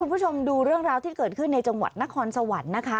คุณผู้ชมดูเรื่องราวที่เกิดขึ้นในจังหวัดนครสวรรค์นะคะ